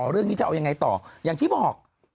เรื่องนี้จะเอายังไงต่ออย่างที่บอก